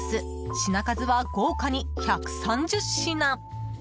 品数は豪華に１３０品。